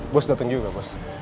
bos datang juga bos